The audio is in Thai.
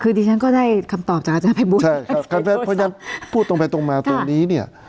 คือดิฉันก็ได้คำตอบจากอาจารย์ภัยบูลใช่ครับครับเพราะฉะนั้นพูดตรงไปตรงมาตรงนี้เนี่ย